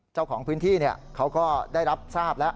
เจ้าของพื้นที่เขาก็ได้รับทราบแล้ว